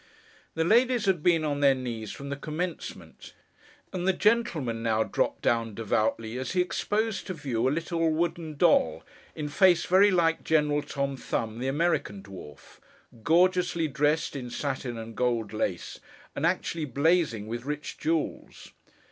The ladies had been on their knees from the commencement; and the gentlemen now dropped down devoutly, as he exposed to view a little wooden doll, in face very like General Tom Thumb, the American Dwarf: gorgeously dressed in satin and gold lace, and actually blazing with rich jewels.